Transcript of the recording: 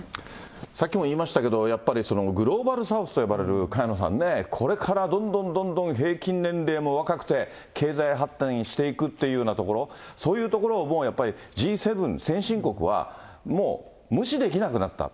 さっきも言いましたけど、やっぱりグローバルサウスと呼ばれる、萱野さんね、これからどんどんどんどん平均年齢も若くて経済発展していくっていうようなところ、そういうところをやっぱりＧ７、先進国は、もう無視できなくなった。